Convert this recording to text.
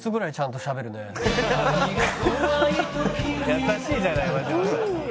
優しいじゃない真島さんに。